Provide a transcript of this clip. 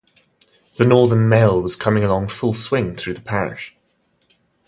The northern mail was coming along full swing through the parish.